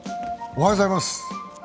おはようございます。